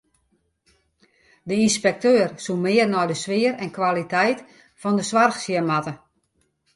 De ynspekteur soe mear nei de sfear en kwaliteit fan de soarch sjen moatte.